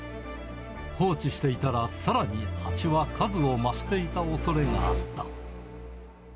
放置していたら、さらにハチは数を増していた恐れがあった。